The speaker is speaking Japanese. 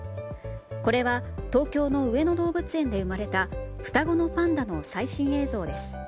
これは東京の上野動物園で生まれた双子のパンダの最新映像です。